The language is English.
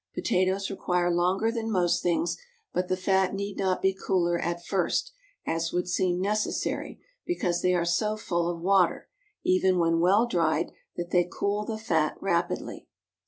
Potatoes require longer than most things; but the fat need not be cooler at first, as would seem necessary, because they are so full of water, even when well dried, that they cool the fat rapidly.